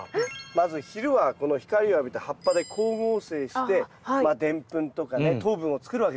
まず昼は光を浴びて葉っぱで光合成してデンプンとかね糖分を作るわけですよ。